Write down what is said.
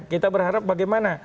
kita berharap bagaimana